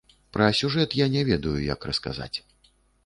Пра сюжэт я не ведаю, як расказаць.